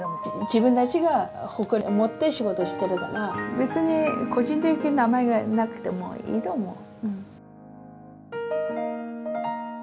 自分たちが誇りを持って仕事をしてるから別に個人的に名前がなくてもいいと思う。